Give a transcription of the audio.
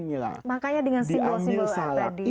makanya dengan simbol simbol tadi